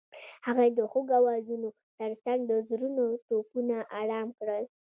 هغې د خوږ اوازونو ترڅنګ د زړونو ټپونه آرام کړل.